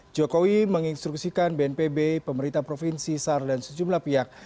jokowi menginstruksikan bnpb pemerintah provinsi sar dan sejumlah pihak